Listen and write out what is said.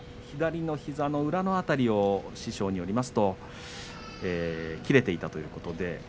左の膝の裏の辺り師匠によりますと切れていたということです。